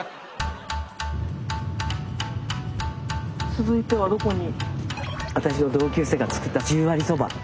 続いてはどこに？